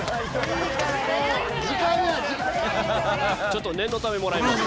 ちょっと念のためもらいます。